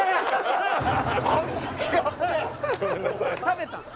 食べたの？